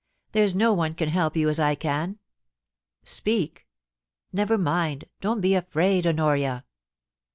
There's no one can help you as I can. Speak — never mind ; don't be afraid, Honoria.'